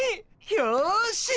よし。